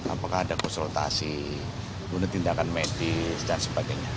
apakah ada konsultasi guna tindakan medis dan sebagainya